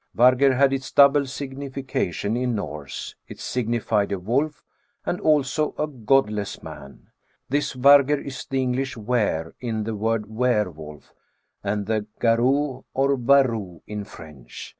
Vargr had its donble signification in Norse. It signified a wolf, and also a godless man. This vargr is the English were, in the word were wolf, and the garou or varou in French.